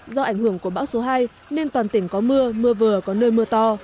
do ảnh hưởng của bão số hai nên toàn tỉnh có mưa mưa vừa có nơi mưa to